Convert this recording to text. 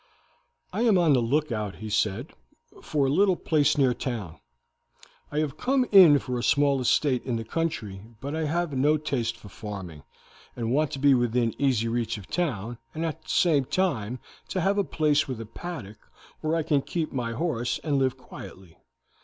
"I am on the lookout," he said, "for a little place near town. I have come in for a small estate in the country, but I have no taste for farming, and want to be within easy reach of town, and at the same time to have a place with a paddock where I can keep my horse and live quietly.